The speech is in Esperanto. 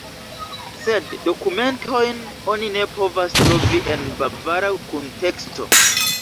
Sed dokumentojn oni ne povas trovi en bavara kunteksto.